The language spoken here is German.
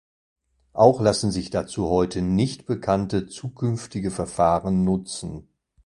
Auch lassen sich dazu heute nicht bekannte, zukünftige Verfahren nutzen.